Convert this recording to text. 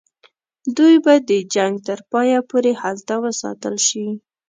دوی به د جنګ تر پایه پوري هلته وساتل شي.